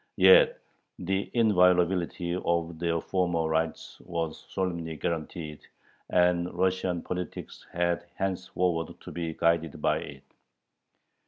Yet the inviolability of their former rights was solemnly guaranteed, and Russian politics had henceforward to be guided by it.